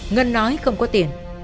ngân nói không có tiền